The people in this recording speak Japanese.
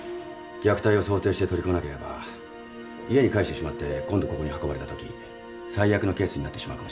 虐待を想定して取り組まなければ家に帰してしまって今度ここに運ばれたとき最悪のケースになってしまうかもしれませんから。